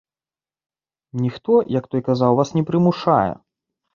Ніхто, як той казаў, вас не прымушае.